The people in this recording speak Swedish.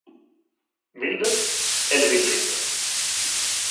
Vill du, eller vill du inte?